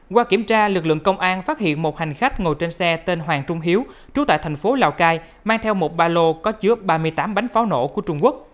qua kiểm tra lực lượng công an phát hiện một hành khách ngồi trên xe tên hoàng trung hiếu trú tại thành phố lào cai mang theo một ba lô có chứa ba mươi tám bánh pháo nổ của trung quốc